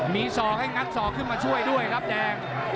มีศอกให้งัดศอกขึ้นมาช่วยด้วยครับแดง